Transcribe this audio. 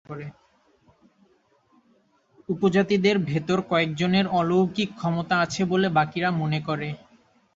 উপজাতিদের ভেতর কয়েকজনের অলৌকিক ক্ষমতা আছে বলে বাকিরা মনে করে।